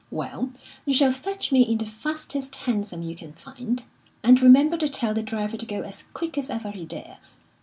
Well, you shall fetch me in the fastest hansom you can find, and remember to tell the driver to go as quick as ever he dare.